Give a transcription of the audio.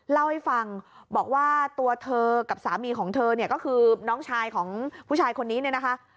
เล่าให้ฟังบอกว่าตัวเธอกับสามีของเธอเนี่ยก็คือน้องชายของผู้ชายคนนี้เนี่ยนะคะ